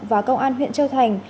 và công an huyện châu thành